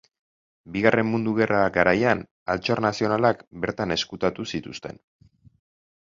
Bigarren Mundu Gerra garaian Altxor Nazionalak bertan ezkutatu zituzten.